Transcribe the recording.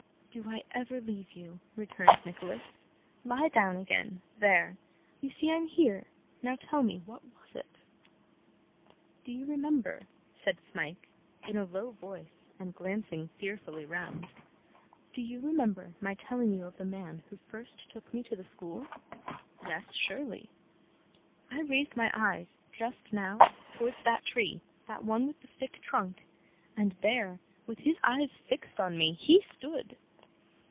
'Do I ever leave you?' returned Nicholas. 'Lie down again there! You see I'm here. Now, tell me; what was it?' 'Do you remember,' said Smike, in a low voice, and glancing fearfully round, 'do you remember my telling you of the man who first took me to the school?' 'Yes, surely.' 'I raised my eyes, just now, towards that tree that one with the thick trunk and there, with his eyes fixed on me, he stood!